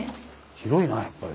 広いなやっぱり。